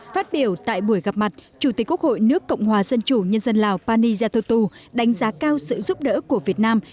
phát biểu tại buổi gặp mặt chủ tịch quốc hội nước cộng hòa dân chủ nhân dân lào pani yathotu đánh giá cao sự giúp đỡ của việt nam